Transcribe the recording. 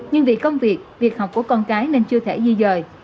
nhưng vì công việc việc học của con cái nên chưa thể di dời